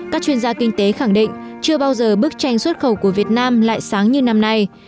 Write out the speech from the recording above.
các chuyên gia kinh tế khẳng định chưa bao giờ bức tranh xuất khẩu của việt nam lại sáng như năm nay